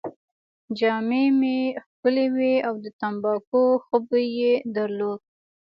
جامې يې ښکلې وې او د تمباکو ښه بوی يې درلود.